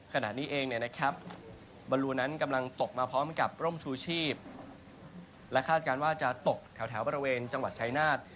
ขณะนี้เองบรรลูนั้นกำลังตกมาพร้อมกับร่มชูชีพและคาดการณ์ว่าจะตกแถวบริเวณจังหวัดชายนาฏ